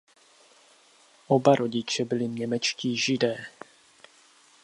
Oba rodiče byli němečtí židé.